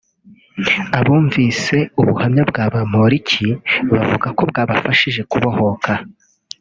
Abumvise ubuhamya bwa Bamporiki bavuga ko bwabafashije kubohoka